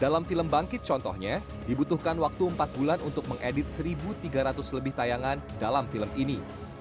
dalam film bangkit contohnya dibutuhkan waktu empat bulan untuk mengedit satu tiga ratus lebih tayangan dalam film ini